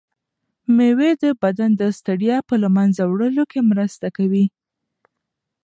مېوې د بدن د ستړیا په له منځه وړلو کې مرسته کوي.